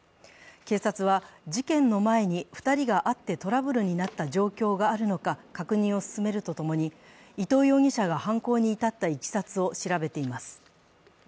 警察は事件の前に２人が会ってトラブルになった状況があるのか、確認を進めるとともに、伊藤容疑者が犯行に至ったいきさつを調べています。